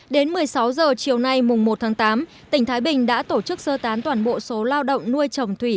đến một mươi sáu h chiều nay mùng một tháng tám tỉnh thái bình đã tổ chức sơ tán toàn bộ số lao động nuôi trồng thủy